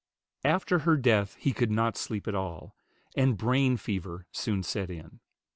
After her death he could not sleep at all, and brain fever soon set in.